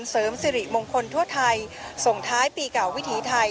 เสริมสิริมงคลทั่วไทยส่งท้ายปีเก่าวิถีไทย